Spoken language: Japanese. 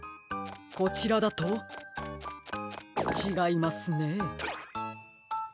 こちらだとちがいますね。